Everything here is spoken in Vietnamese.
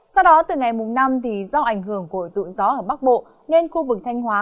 sau đó từ ngày mùng năm do ảnh hưởng của tụi gió ở bắc bộ nên khu vực thanh hóa